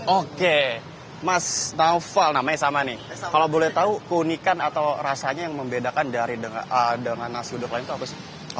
oke mas naufal namanya sama nih kalau boleh tahu keunikan atau rasanya yang membedakan dengan nasi uduk lain itu apa sih